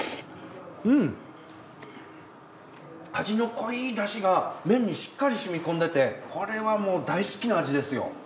味の濃い出汁が麺にしっかりしみ込んでてこれはもう大好きな味ですよ。